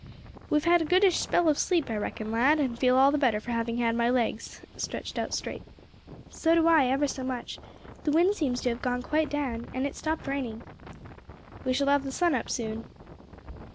"We have had a goodish spell of sleep, I reckon, lad, and I feel all the better for having had my legs stretched out straight." "So do I, ever so much; the wind seems to have gone quite down, and it has stopped raining." "We shall have the sun up soon."